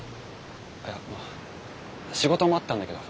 いや仕事もあったんだけど。